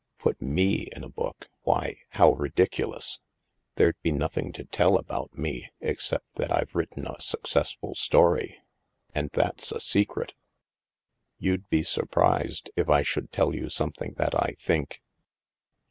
" Put me in a book ? Why, how ridiculous ! There'd be nothing to tell about me, except that IVe written a successful story. And that's a secret." " You'd be surprised if I should tell you some thing that I think.''